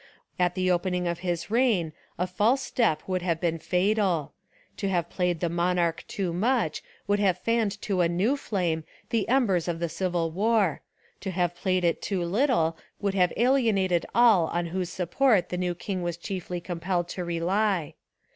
At the opening of his reign a false step would have been fatal. To have played the monarch too much would have fanned to a new flame the embers of the civil war: to have played it too little would have alienated all on whose sup port the new king was chiefly compelled to rely.